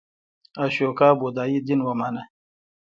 اشوکا بودایی دین ومانه.